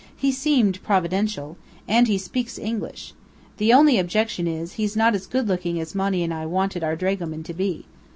"He seemed providential. And he speaks English. The only objection is, he's not as good looking as Monny and I wanted our dragoman to be.